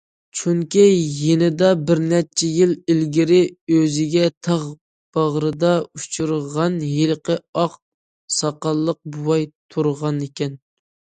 چۈنكى، يېنىدا بىرنەچچە يىل ئىلگىرى ئۆزىگە تاغ باغرىدا ئۇچرىغان ھېلىقى ئاق ساقاللىق بوۋاي تۇرغانىكەن.